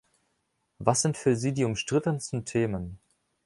Was sind für Sie die umstrittensten Themen?